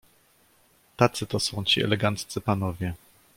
"Tacy to są ci eleganccy panowie."